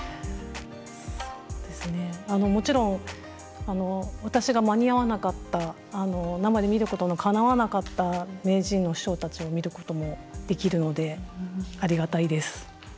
そうですね、もちろん私が間に合わなかった生で見ることのかなわなかった名人の師匠たちを見ることもできるのでありがたいです。